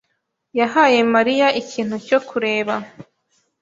yahaye Mariya ikintu cyo kureba.